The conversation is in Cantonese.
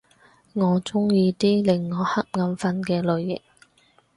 我鍾意啲令我瞌眼瞓嘅類型